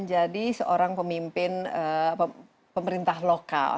jadi seorang pemimpin pemerintah lokal